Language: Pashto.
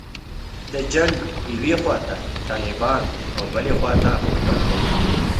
د جنګ یوې خواته طالبان او بلې خواته حکومت دی.